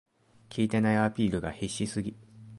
効いてないアピールが必死すぎ